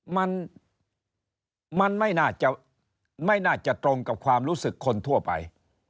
มันไม่น่าจะตรงกับความรู้สึกคนทั่วไป